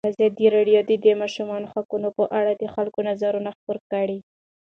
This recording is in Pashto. ازادي راډیو د د ماشومانو حقونه په اړه د خلکو نظرونه خپاره کړي.